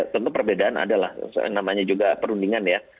tentu perbedaan adalah namanya juga perundingan ya